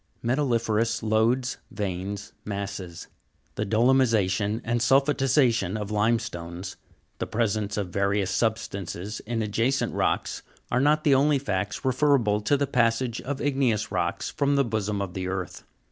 21. Metalliferous lodes, veins, masses. The dolomisa'tion and the sulphatisa'tion of limestones, the presence of various sub stances in adjacent rocks, are not the only facts referable to the passage of igneous rocks from the bosom of the earth.